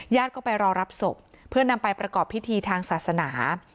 ก็ไปรอรับศพเพื่อนำไปประกอบพิธีทางศาสนา